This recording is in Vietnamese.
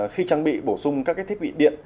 khi trang bị bổ sung các thiết bị điện